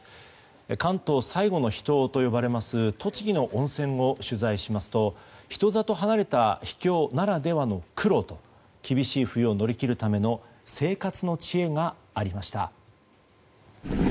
関東最後の秘湯と呼ばれます栃木の温泉を取材しますと人里離れた秘境ならではの苦労と厳しい冬を乗り切るための生活の知恵がありました。